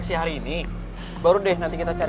bu tiana sudah dipanggil dokter